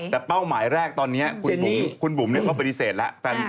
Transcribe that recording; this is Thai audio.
แต่เป้าหมายแรกตอนนี้คุณบุ๋มเนี่ยเข้าไปดิเศษแล้ว